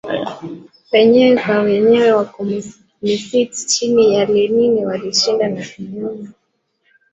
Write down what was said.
wenyewe kwa wenyewe Wakomunisti chini ya Lenin walishinda na kugeuza